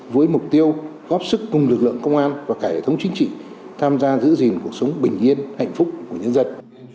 với mục tiêu góp sức cùng lực lượng công an và cả hệ thống chính trị tham gia giữ gìn cuộc sống bình yên hạnh phúc của nhân dân